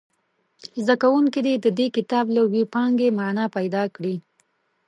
زده کوونکي دې د دې کتاب له وییپانګې معنا پیداکړي.